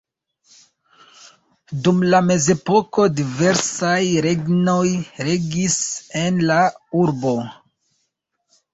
Dum la mezepoko diversaj regnoj regis en la urbo.